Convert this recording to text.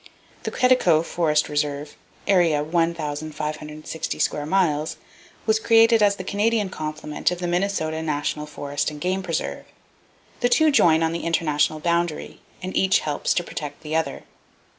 The Quetico Forest Reserve, area 1,560 square miles, was created as the Canadian complement of the Minnesota National Forest and Game Preserve. The two join on the international boundary, and each helps to protect the other.